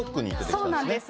そうなんです。